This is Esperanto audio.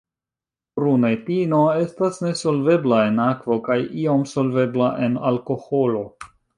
Prunetino estas nesolvebla en akvo kaj iom solvebla en alkoholo.